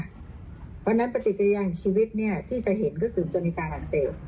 เพราะฉะนั้นปฏิกิริยาของชีวิตเนี้ยที่จะเห็นก็คือจะมีการหักเซลล์